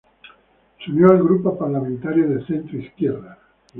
Se unió al grupo parlamentario de centro izquierda.